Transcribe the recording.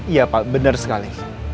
iya pak benar sekali